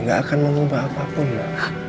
gak akan mengubah apapun lah